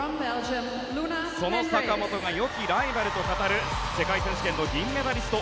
その坂本が良きライバルと語る世界選手権の銀メダリスト